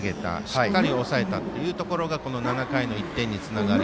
しっかり抑えたというところが７回の１点につながり